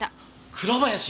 倉林！